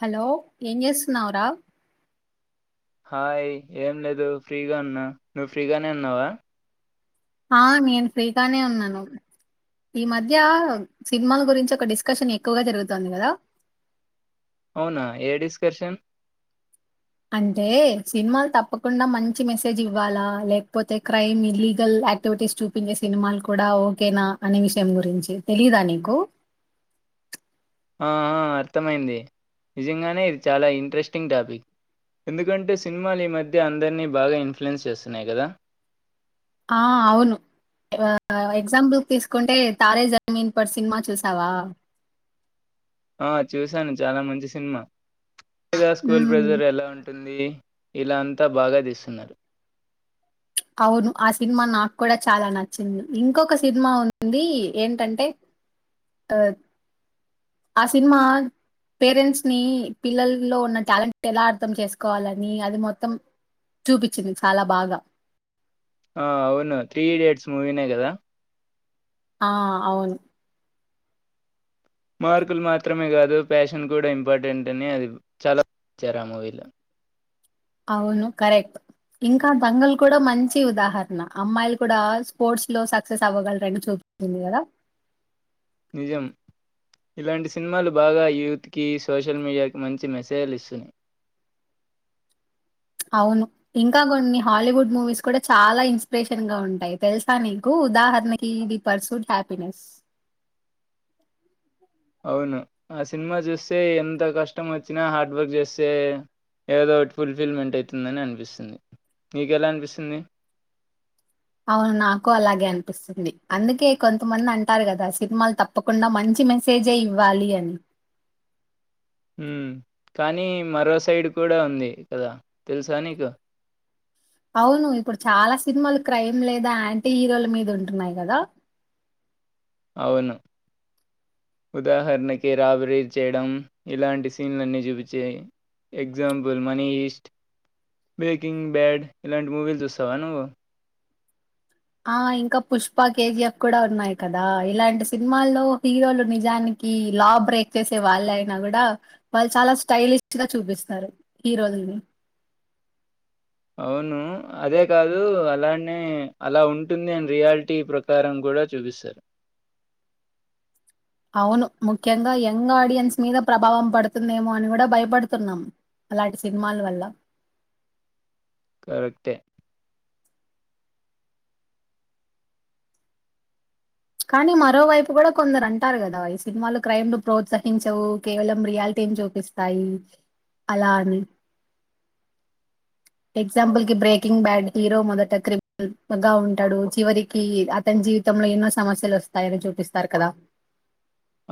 Hello ఏం చేస్తున్నావ్ర hi ఏం లేదు ఫ్రీగ ఉన్నా నువ్వు ఫ్రీగానే ఉన్నావా ఆ నేను ఫ్రీగానే ఉన్నాను ఈ మధ్యా సినీమాల గురించి ఒక డిస్కషన్ ఎక్కువగ జరుగుతాంది కదా అవున ఏ డిస్కర్షన్ అంటే సిన్మాల్ తప్పకుండ మంచి మెసేజ్ ఇవ్వాలా లేక్పోతే క్రైమ్ ఇల్లీగల్ యాక్టివిటీస్ చూపించే సినిమాలు కూడా ఓకేనా అనే విషయం గురించి తెలీద నీకు ఆఆ అర్థమైంది నిజంగానే ఇది చాలా ఇంట్రెస్టింగ్ టాపిక్ ఎందుకంటె సిన్మాల్ ఈ మధ్య అందరినీ బాగ ఇన్ఫ్లుయెన్స్ చేస్తున్నాయ్ కదా ఆ అవును అ ఎగ్జామ్ పుల్ తీసుకుంటే తారే జమీన్ పర్ సినిమా చూసావా ఆ చూశాను చాలా మంచి సినిమా తెలిదా స్కూల్ ఉమ్, ప్రెజర్ ఎలా ఉంటుంద్ వి విల్లు అంతా బాగా తీస్తున్నారు అవును ఆ సిన్మ నాక్ కూడ చాలా నచ్చింది ఇంకొక సిన్మ ఉందీ ఏంటంటే ఆద్ ఆ సినిమా పేరెంట్స్ ని పిల్లల్లో ఉన్న టాలెంట్ ఎలా అర్థం చేసుకోవాలని అది మొత్తం చూపించింది చాలా బాగా ఆ అవును త్రీ ఇడియట్స్ మూవినే కదా ఆ అవును మార్కులు మాత్రమే కాదు ప్యాషన్ కూడ ఇంపార్టెంట్ అని అది చాల ఇచ్చారు ఆ మూవీలో అవును కరెక్ట్ ఇంకా దంగల్ కూడా మంచి ఉదాహరణ అమ్మాయిల్ కూడా స్పోర్ట్స్ లొ సక్సెస్ అవ్వగలరని చూపుతుంది కదా నిజం ఇలాంటి సిన్మాలు బాగా యూత్ కి సోషల్ మీడియాకి మంచి మెసేజ్లు ఇస్తున్నాయ్ అవును ఇంకా కొన్ని హాలీవుడ్ మూవీస్ కూడ చాలా ఇన్స్పిరేషన్ గా ఉంటయ్ తెల్సా నీకు ఉదాహరణకి ది పర్సుడ్ హ్యాపీనెస్ అవును ఆ సిన్మా చూస్తే ఎంత కష్టం వచ్చినా హార్డ్ వర్క్ చేస్తే ఏదో ఒకటి ఫుల్ ఫిల్మెంట్ అయితుందని అనిపిస్తుంది నీకెలా అనిపిస్తుంది అవును నాకు అలాగే అనిపిస్తుంది అందుకే కొంతమంది అంటారు కద సిన్మాలు తప్పకుండ మంచి మెసేజే ఇవ్వాలి అని ఉమ్ కానీ మరో సైడ్ కూడ ఉంది కదా తెలుసా నీకు అవును ఇప్పుడు చాలా సిన్మాలు క్రైమ్ లేదా యాంటీ హీరోల మీద ఉంటున్నాయ్ గదా అవును ఉదాహరణకి రాబరీ చేయడం ఇలాంటి సీన్లన్నీ చూపిచ్చే example money heist breaking bad ఇలాంటి మూవీలు చూస్తవా నువ్వు ఆ ఇంకా పుష్ప కేజీఎఫ్ కూడ ఉన్నాయ్ కదా ఇలాంటి సిన్మాల్లో హీరోలు నిజానికీ లా బ్రేక్ చేసే వాళ్ళయినా గూడ వాళ్ళు చాలా స్టైలిష్ గా చూపిస్తారు హీరోలని అవును అదే కాదు అలానే అలా ఉంటుంది అని రియాలిటీ ప్రకారం గూడ చూపిస్తారు అవును ముఖ్యంగా యంగ్ ఆడియన్స్ మీద ప్రభావం పడుతుందేమో అన్ కూడ భయపడుతున్నామ్ అలాంటి సిన్మాల వల్ల కరక్టే కానీ మరోవైపు గూడ కొందరంటారు కదా ఈ సిన్మాలు క్రైమ్ ను ప్రోత్సహించవు కేవలం రియాల్టీ నీ చూపిస్తాయి అలా అని ఎగ్జాంపుల్ కి బ్రేకింగ్ బ్యాడ్ హీరో మొదట క్రిమ్నల్ గా ఉంటాడు చివరికి అతన్ జీవితంలో ఎన్నో సమస్యలు వస్తాయని చూపిస్తారు కదా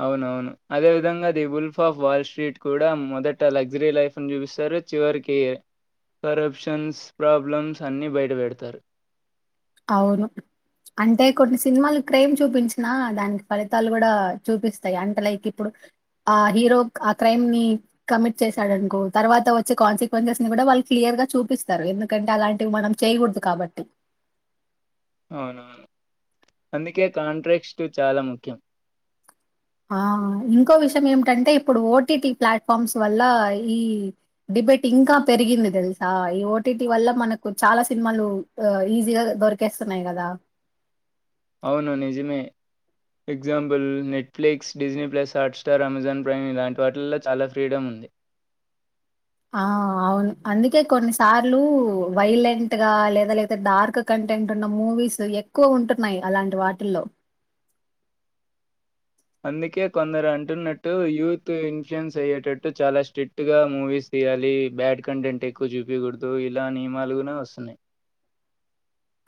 అవునవును అదే విధంగ the wolf of wall street కూడా మొదట లగ్జరీ లైఫ్ని చూపిస్తారు చివరికి కరప్షన్స్ ప్రాబ్లమ్స్ అన్ని బయట వెడుతారు అవును అంటే కొన్ని సిన్మాలు క్రైమ్ చూపించినా దానికి ఫలితాలు కూడా చూపిస్తయి అంటే లైక్ ఇప్పుడు ఆ హీరో ఆ క్రైమ్ ని కమిట్ చేశాడన్కో తర్వాత వచ్చే కాన్సిక్వెన్సెస్ ని కూడా వాళ్ళు క్లియర్ గా చూపిస్తారు ఎందుకంటే అలాంటివి మనం చేయకూడదు కాబట్టి అవునవును అందుకే కాంట్రెక్స్ట్ చాలా ముఖ్యం ఆ ఇంకో విషయం ఏమిటంటే ఇప్పుడు ఓటిటి ప్లాట్ఫార్మ్స్ వల్ల ఈ డిబేట్ ఇంకా పెరిగింది తెల్సా ఈ ఓటీటి వల్ల మనకు చాలా సిన్మాలు ఈజీగా దొరికేస్తున్నాయి కదా అవును నిజమే example Netflix Disney plus Hotstar Amazon Prime ఇలాంటి వాటిల్లో చాలా ఫ్రీడం ఉంది ఆ అవును అందుకే కొన్నిసార్లు వైలెంట్ గా లేదా లేదా డార్క్ కంటెంట్ ఉన్న మూవీస్ ఎక్కువ ఉంటున్నాయ్ అలాంటి వాటిల్లో అందుకే కొందరు అంటున్నట్టు యూత్ ఇన్ఫ్లుూయెన్స్ అయ్యేటట్టు చాలా స్ట్రిక్ట్గా మూవీస్ తీయాలి బ్యాడ్ కంటెంట్ ఎక్కువ చూపియకూడదు ఇలా నియమాలు గున వస్తున్నాయ్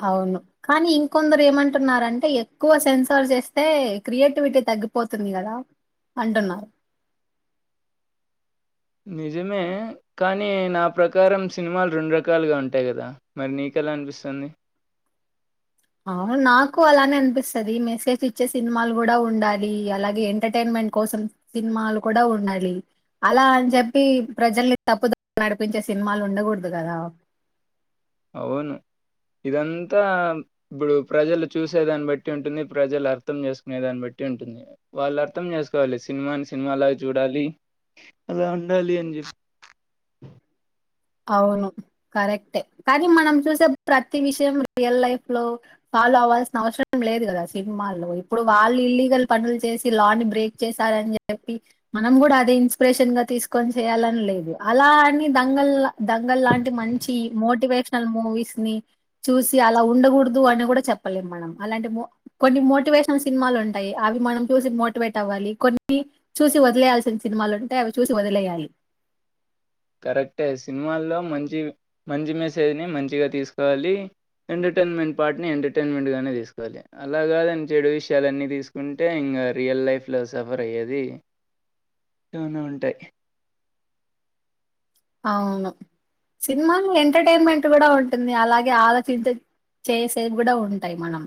అవును కానీ ఇంకొందరు ఏమంటున్నారంటే ఎక్కువ సెన్సార్ చేస్తే క్రియేటివిటీ తగ్గిపోతుంది గదా అంటున్నారు నిజమే కానీ నా ప్రకారం సిన్మాలు రెండు రకాలుగా ఉంటాయ్ కదా మరి నీకెలా అనిపిస్తాంది అవున్ నాకు అలానే అనిపిస్తది మెసేజ్ ఇచ్చే సిన్మాలు కూడా ఉండాలి అలాగే ఎంటర్టైన్మెంట్ కోసం సిన్మాలు కూడా ఉండలి అలా అన్ చెప్పి ప్రజల్ని తప్పు దోవ్ నడిపించే సిన్మాలు ఉండకూడ్దు గదా అవును ఇదంతా ఇప్పుడు ప్రజలు చూసే దాన్ బట్టి ఉంటుంది ప్రజలు అర్థం చేసుకునే దాన్ బట్టి ఉంటుంది వాళ్ళు అర్థం చేసుకోవాలి సిన్మాని సినిమాలాగ చూడాలి అలా ఉండాలి అని చెప్పి అవును కరెక్టే కానీ మనం చూసే ప్రతి విషయం రియల్ లైఫ్ లో ఫాలో అవ్వాల్సిన అవసరం లేదు గదా సిన్మాల్లో ఇప్పుడు వాళ్ళు ఇల్లీగల్ పన్లు చేసి లా ని బ్రేక్ చేశారని చెప్పి మనం కూడా అది ఇన్స్పిరేషన్ గా తీసుకొని చేయాలని లేదు అలా అని దంగల్ లా దంగల్ లాంటి మంచి మోటివేషనల్ మూవీస్ ని చూసి అలా ఉండకూడదు అని కూడా చెప్పలేము మనం అలాంటి మో కొన్ని మోటివేషనల్ సినిమాలు ఉంటాయి అవి మనం చూసి మోటివేట్ అవ్వాలి కొన్ని చూసి వదిలేయాల్సిన సినిమాలు ఉంటాయి అవి చూసి వదిలేయాలి కరెక్టే సినిమాల్లో మంచి మంచి మెసేజ్ని మంచిగా తీసుకోవాలి ఎంటర్టైన్మెంట్ పార్ట్ని ఎంటర్టైన్మెంట్గానే తీసుకోవాలి అలా గాదు దాని చెడు విషయాలన్నీ తీసుకుంటే ఇంకా రియల్ లైఫ్లో సఫర్ అయ్యేది టునో ఉంటాయి అవును సినిమాలు ఎంటర్టైన్మెంట్ కూడా ఉంటుంది అలాగే ఆలోచించ చేసేపు కూడా ఉంటాయి మనం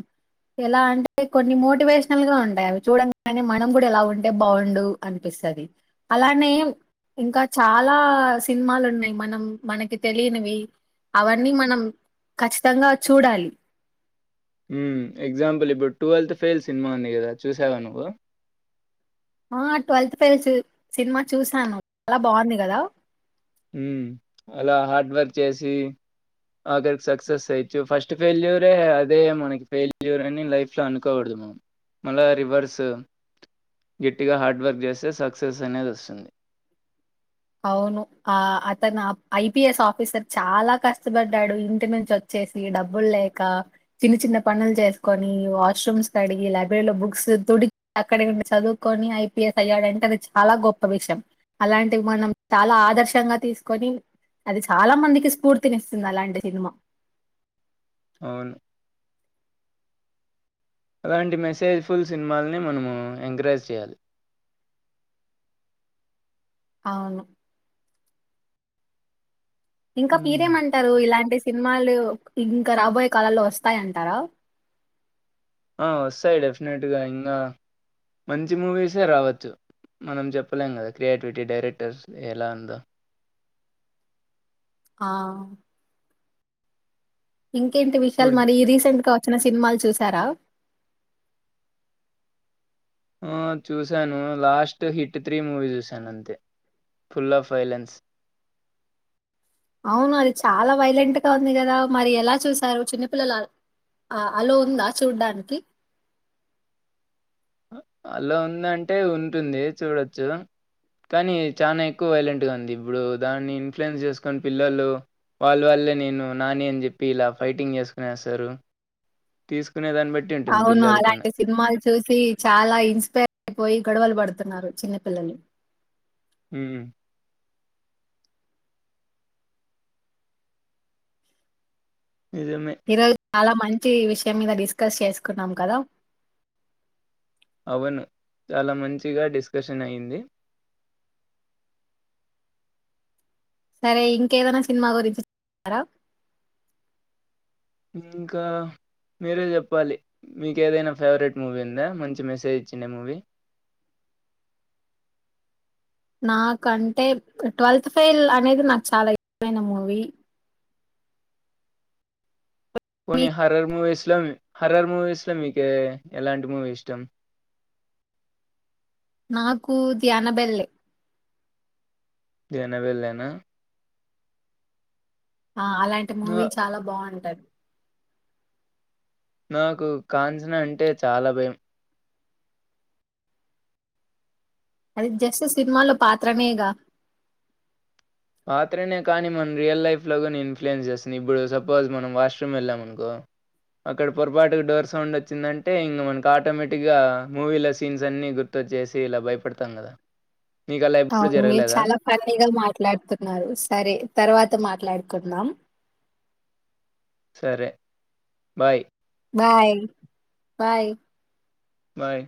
ఎలా అంటే కొన్ని మోటివేషనల్ గా ఉంటాయి అవి చూడ గానే మనం కూడా ఎలా ఉంటే బాగుండు అనిపిస్తది అలానే ఇంకా చాలా సినిమాలు ఉన్నాయి మనం మనకి తెలియనివి అవన్నీ మనం ఖచ్చితంగా చూడాలి ఉ ఎగ్జాంపుల్ ఇప్పుడు ట్వెల్త్ ఫెయిల్ సినిమా ఉంది గదా చూసావా నువ్వు ఆ ట్వల్త్ తెలుసు సినిమా చూశాను చాలా బాగుంది గదా ఉ అలా హార్డ్ వర్క్ చేసి ఆఖరికి సక్సెస్ అయచ్చు ఫస్ట్ ఫెయిల్యూరే అదే మనకి ఫెయిల్యూర్ అని లైఫ్లో అనుకోగూడదు మనం మళ్ళా రివర్స్ గట్టిగా హార్డ్ వర్క్ చేస్తే సక్సెస్ అనేది వస్తుంది అవును ఆ అతను ఐపీఎస్ ఆఫీసర్ చాలా కష్టపడ్డాడు ఇంటి నుంచి వచ్చేసి డబ్బులు లేక చిన్న చిన్న పనులు చేసుకొని వాష్రూమ్స్ కడిగి లైబ్రరీలో బుక్స్ తుడి అక్కడే ఉండి చదువుకొని ఐపీఎస్ అయ్యాడు అంటే అది చాలా గొప్ప విషయం అలాం టి మనం చాలా ఆదర్శంగా తీసుకొని అది చాలా మందికి స్ఫూర్తిని ఇస్తుంది అలాంటి సినిమా అవును అలాంటి మెసేజ్ ఫుల్ సినిమాలని మనము ఎంకరేజ్ చేయాలి అవును ఇంకా హ్మ్. పీరేమంటారు ఇలాంటిస్ సినిమాలు ఇంకా రాబోయే కాలల్లో వస్తాయంటారా ఆ వస్తాయి డెఫినెట్గా ఇంగా మంచి మూవీసే రావచ్చు మనం చెప్పలేం గదా క్రియేటివిటీ డైరెక్టర్స్ ఎలా ఉందో హా ఇంకేంటి విషయాలు ఇప్పుడు మరి రీసెంట్ గా చిన్న సినిమాలు చూసారా ఆ చూసాను లాస్ట్ హిట్ త్రీ మూవీ చూశాను అంతే ఫుల్ ఆఫ్ ఫైలెన్స్ అవును అది చాలా వైలెంట్ గా ఉంది కదా మరి ఎలా చూసారు చిన్న పిల్లలు అలో ఉందా చూడుడానికి అలా ఉందంటే ఉంటుంది చూడచ్చు కానీ చాలా ఎక్కువ వైలెంట్గా ఉంది ఇప్పుడు దాన్ని ఇన్ఫ్లుయెన్స్ చేసుకొని పిల్లలు వాళ్ళ వాళ్లే నేను నాని అని చెప్పి ఇలా ఫైటింగ్ చేసుకునే ఏస్తారు తీసుక్ అవును అలాంటి సినిమాలు చూసి చాలా ఇన్స్పైర్ అయిపోయి గోడువలు వడు హ్మ్ నిజమే ఈరోజు చాలా మంచి విషయం మీద డిస్కస్ చేసుకున్నాం కదా! అవును చాలా మంచిగా డిస్కషన్ అయింది సరే ఇంకేదైనా సినిమా గురించి చెప్తారా? ఇంకా మీరే చెప్పాలి మీకేదైనా ఫేవరెట్ మూవీ ఉందా మంచి మెసేజ్ ఇచ్చిండే మూవీ నాకంటే 'ట్వెల్త్ ఫెయిల్' అనేది నాకు చాలా ఇష్టమైన మూవీ. పోనీ హర్రర్ మూవీస్ లో హర్రర్ మూవీస్ లో మీకే ఎలాంటి మూవీ ఇష్టం నాకు 'ది అనబెల్లే' జనబెల్లేనా ఆ! అలాంటి నా మూవీ చాలా బావుంటది. నాకు కాంచన అంటే చాలా భయం అది జస్ట్ సినిమాలో పాత్రనేగా. పాత్రనే కానీ మన రియల్ లైఫ్ లో కూడా ఇన్ఫ్లుయెన్స్ చేస్తుంది ఇప్పుడు సపోజ్ మనం వాష్రూమ్ వెళ్ళాం అనుకో అక్కడ పొరపాటుకు డోర్ సౌండ్ వచ్చిందంటే ఇంక మనకు ఆటోమేటిక్ గా మూవీలో సీన్స్ అన్ని గుర్తొచ్చేసి ఇలా భయపడతాం కదా నీకు అలా ఎప్పుడు అవును. మీరు జరగలేదా చాలా ఫన్నీగా మాట్లాడుతున్నారు. సరే తర్వాత మాట్లాడుకుందాం. సరే బాయ్ బాయ్. బాయ్. బాయ్